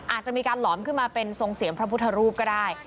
อาจจะมีการหลอมขึ้นมาเป็นทรงเสียงพระพุทธรูปก็ได้